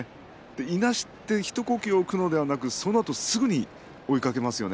いなして一呼吸おくのでなくそのあとすぐ追いかけますよね。